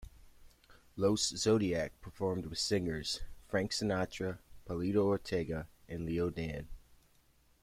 Los Zodiac performed with singers: Frank Sinatra, Palito Ortega and Leo Dan.